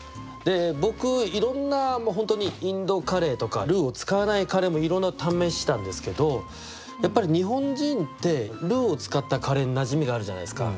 僕いろんなもう本当にインドカレーとかルーを使わないカレーもいろんな試したんですけどやっぱり日本人ってルーを使ったカレーになじみがあるじゃないですか。